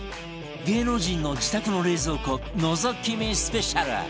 芸能人の自宅の冷蔵庫のぞき見スペシャル